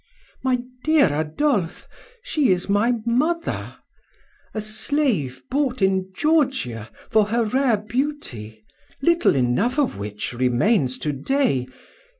"My dear Adolphe, she is my mother, a slave bought in Georgia for her rare beauty, little enough of which remains to day.